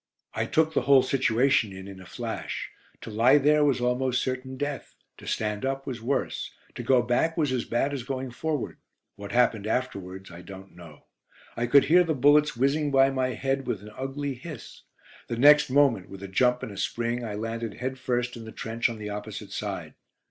I took the whole situation in in a flash. To lie there was almost certain death; to stand up was worse; to go back was as bad as going forward. What happened afterwards I don't know. I could hear the bullets whizzing by my head with an ugly hiss. The next moment, with a jump and a spring, I landed head first in the trench on the opposite side.